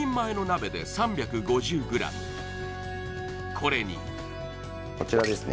これにこちらですね